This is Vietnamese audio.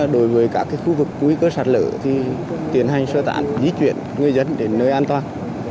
đối với các khu vực cúi cơ sản lợi thì tiến hành sơ tản di chuyển người dân đến nơi an toàn